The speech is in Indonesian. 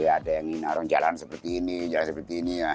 ada yang arung jalan seperti ini jalan seperti ini